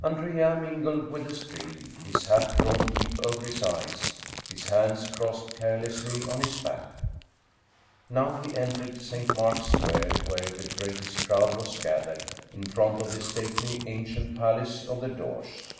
Andrea mingled with the stream, his hat drawn deep over his eyes, his hands crossed carelessly on his back. Now he entered St. Mark's Square, where the greatest crowd was gathered in front of the stately, ancient palace of the Doges.